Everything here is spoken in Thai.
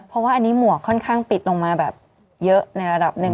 เพราะว่าอันนี้หมวกค่อนข้างปิดลงมาแบบเยอะในระดับหนึ่ง